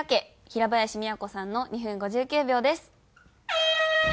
平林都さんの２分５９秒です。